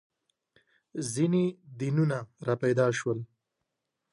• ځینې دینونه راپیدا شول.